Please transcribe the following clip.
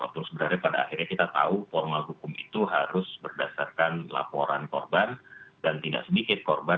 terus sebenarnya pada akhirnya kita tahu formal hukum itu harus berdasarkan laporan korban dan tidak sedikit korban